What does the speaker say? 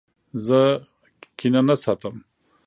زه کینه نه ساتم.